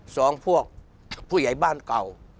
พวกผู้ใหญ่บ้านเก่า